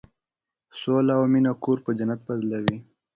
سوله او مینه کور په جنت بدلوي.